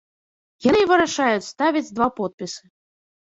Яны і вырашаюць, ставяць два подпісы.